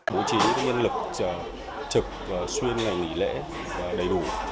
bố trí nhân lực trực xuyên ngày nghỉ lễ đầy đủ